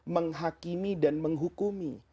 menghakimi dan menghukumi